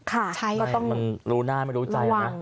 มันรู้หน้าไม่รู้ใจนะ